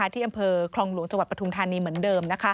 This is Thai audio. ที่อำเภอคลองหลวงจปทุนทานนี่เหมือนเดิม